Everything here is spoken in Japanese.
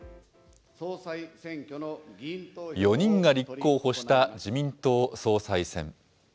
４人が立候補した自民党総裁選。